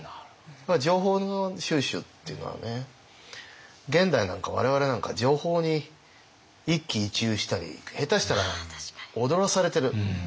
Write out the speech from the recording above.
情報の収集っていうのはね現代なんか我々なんか情報に一喜一憂したり下手したら踊らされてる。